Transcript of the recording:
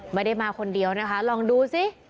ไม่ได้มาคนเดียวนะคะลองดูสิ